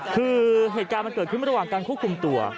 คือเหตุการณ์มันเกิดขึ้นระหว่างการควบคุมตัว